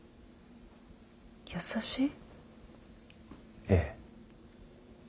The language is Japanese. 優しい？ええ。